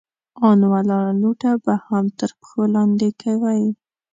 ان ولاړه لوټه به هم تر پښو لاندې کوئ!